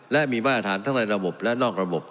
และมีมาตรฐานทั้งในระบบและนอกระบบ